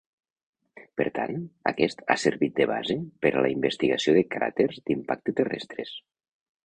Per tant, aquest ha servit de base per a la investigació de cràters d'impacte terrestres.